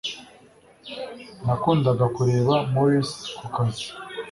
nakundaga kureba Morris kukazi